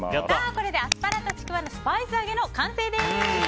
これでアスパラとちくわのスパイス揚げの完成です。